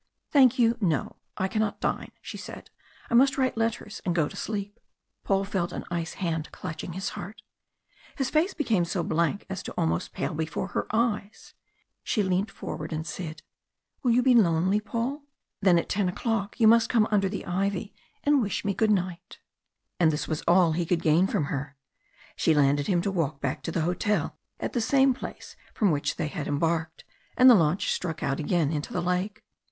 "Thank you, no. I cannot dine," she said. "I must write letters and go to sleep." Paul felt an ice hand clutching his heart. His face became so blank as to almost pale before her eyes. She leant forward, and smiled. "Will you be lonely, Paul? Then at ten o'clock you must come under the ivy and wish me good night." And this was all he could gain from her. She landed him to walk back to the hotel at the same place from which they had embarked, and the launch struck out again into the lake.